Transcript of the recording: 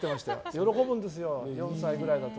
喜ぶんですよ、４歳くらいだと。